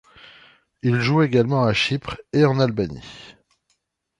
Il joue également à Chypre et en Albanie.